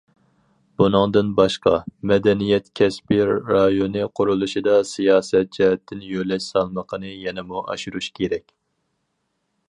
بۇنىڭدىن باشقا، مەدەنىيەت كەسپى رايونى قۇرۇلۇشىدا سىياسەت جەھەتتىن يۆلەش سالمىقىنى يەنىمۇ ئاشۇرۇش كېرەك.